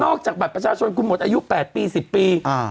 นอกจากบัตรประชาชนคุณหมดอายุแปดปีสิบปีอ่า